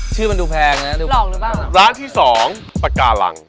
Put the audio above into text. ชื่อมันดูแพงนะร้านที่๒ปากกาลัง